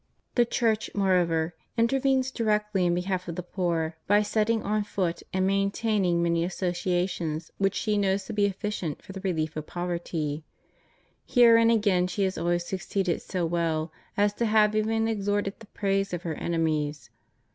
The Church, moreover, intervenes directly in behalf of the poor by setting on foo tand maintaining many asso ciations which she knows to be efficient for the relief of poverty. Herein again she has always succeeded so well as to have even extorted the praise of her enemies.